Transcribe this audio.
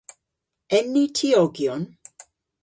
En ni tiogyon?